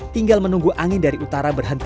tinggal menunggu angin dari utara berhenti